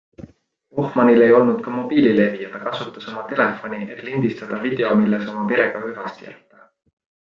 Ohmanil ei olnud ka mobiililevi ja ta kasutas oma telefoni, et lindistada video, milles oma perega hüvasti jätta.